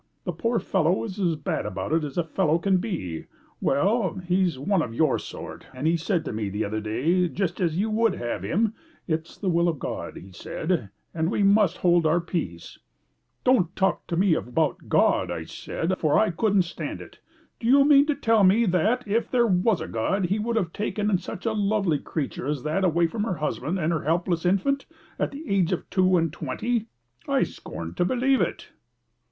The poor fellow is as bad about it as fellow can be. Well, he's one of your sort, and said to me the other day, just as you would have him, 'It's the will of God,' he said, 'and we must hold our peace.' 'Don't talk to me about God,' I said, for I couldn't stand it. 'Do you mean to tell me that, if there was a God, he would have taken such a lovely creature as that away from her husband and her helpless infant, at the age of two and twenty? I scorn to believe it.